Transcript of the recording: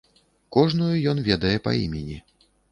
Кожную ён ведае па імені.